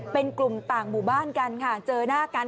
เป็นกลุ่มต่างหมู่บ้านกันค่ะเจอหน้ากัน